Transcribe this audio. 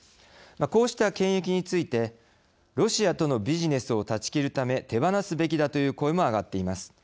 こうした権益についてロシアとのビジネスを断ち切るため手放すべきだという声も上がっています。